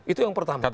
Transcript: itu yang pertama